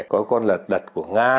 có con lật đật của nga